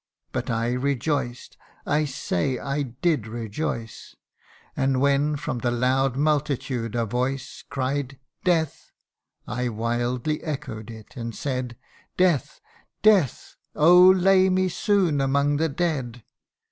But I rejoiced I say I did rejoice: And when from the loud multitude a voice Cried ' Death !' I wildly echoed it, and said ' Death ! Death ! oh, lay me soon among the dead.'